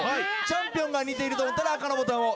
チャンピオンが似ていると思ったら赤のボタンを。